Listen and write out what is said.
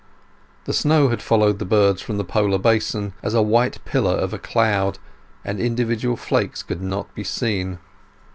The snow had followed the birds from the polar basin as a white pillar of a cloud, and individual flakes could not be seen.